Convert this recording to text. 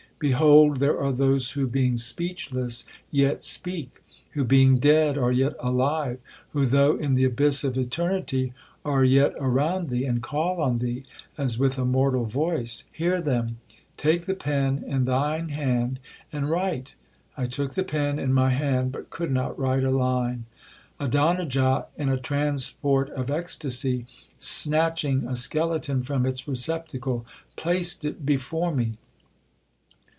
Behold, there are those who, being speechless, yet speak—who, being dead, are yet alive—who, though in the abyss of eternity, are yet around thee, and call on thee, as with a mortal voice. Hear them!—take the pen in thine hand, and write.' I took the pen in my hand, but could not write a line. Adonijah, in a transport of ecstasy, snatching a skeleton from its receptacle, placed it before me.